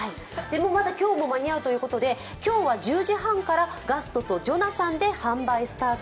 今日もまだ間に合うということで、今日は１０時半からガストとジョナサンで販売スタート。